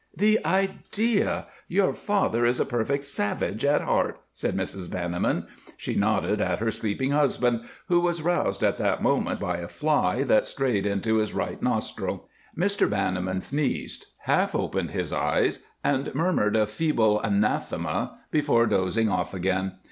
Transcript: "The idea! Your father is a perfect savage, at heart," said Mrs. Banniman. She nodded at her sleeping husband, who was roused at that moment by a fly that had strayed into his right nostril. Mr. Banniman sneezed, half opened his eyes, and murmured a feeble anathema before dozing off again.